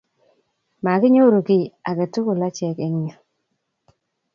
Makinyoru kiy age tugul ache eng yu